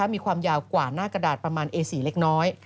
มีความยาวกว่าหน้ากระดาษประมาณเอสีเล็กน้อย